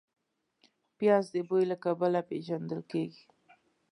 پیاز د بوی له کبله پېژندل کېږي